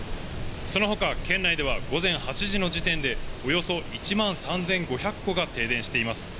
その他、県内では午前８時の時点で、およそ１万３５００戸が停電しています。